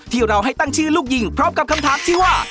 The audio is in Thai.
ที่เราให้ตั้งชื่อลูกยิงพร้อมกับคำถามที่ว่า